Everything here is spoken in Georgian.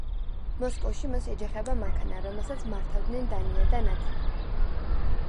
მოსკოვში მას ეჯახება მანქანა, რომელსაც მართავდნენ დანია და ნადია.